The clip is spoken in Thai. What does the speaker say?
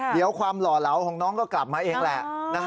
เดี๋ยวความหล่อเหลาของน้องก็กลับมาเองแหละ